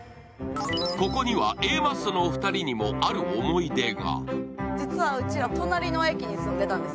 ここにはＡマッソのお二人にもある思い出が。